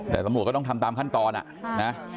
แต่สมมุติก็ต้องทำตามขั้นตอนนะฮะ